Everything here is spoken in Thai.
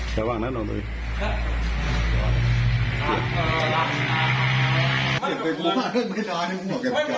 แสว่างนะน้องตุ่ม